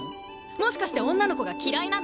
もしかして女の子が嫌いなの？